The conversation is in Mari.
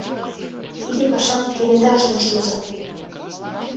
Тиде пашам кенета ыштен шуыза!